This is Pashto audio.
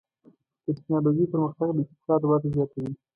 د ټکنالوجۍ پرمختګ د اقتصاد وده زیاتوي.